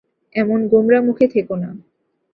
এমন গোমরা মুখে থেকো না।